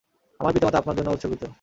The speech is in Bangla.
আমার পিতামাতা আপনার জন্য উৎসর্গিত।